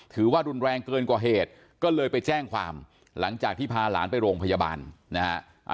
ถือว่ารุนแรงเกินกว่าเหตุก็เลยไปแจ้งความหลังจากที่พาหลานไปโรงพยาบาลนะฮะ